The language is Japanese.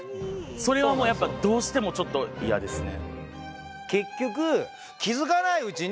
それはもうやっぱどうしてもちょっと嫌ですね。